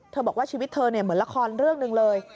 บอกว่าชีวิตเธอเหมือนละครเรื่องหนึ่งเลย